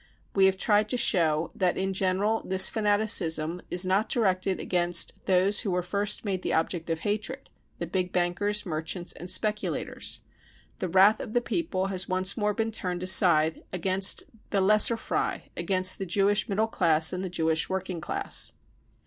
We have tried to show that, in general, this fanaticism is not directed against those who were first made the object of hatred : the big bankers, merchants and speculators. The " wrath of the people 55 has once more been turned aside, against the lesser fry, against the Jewish middle class and the Jewish working class.